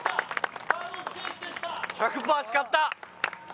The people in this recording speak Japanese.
１００パー使った。